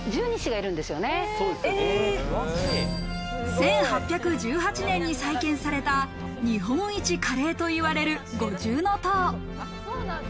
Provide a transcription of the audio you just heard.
１８１８年に再建された日本一華麗といわれる五重塔。